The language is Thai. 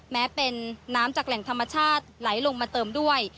แม้เป็นน้ำจากแหล่งธรรมชาติไหลลงมาเติมด้วย